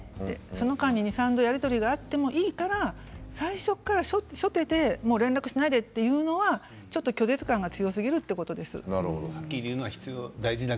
その間に２、３回やり取りがあってもいいんですが初手から連絡しないでと言うのは拒絶感が強すぎるということです。